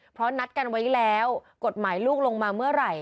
เพราะนัดกันไว้แล้วกฎหมายลูกลงมาเมื่อไหร่